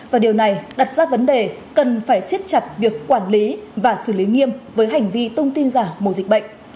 và điều này đặt ra vấn đề cần phải siết chặt việc quản lý và xử lý nghiêm với hành vi tung tin giả mùa dịch bệnh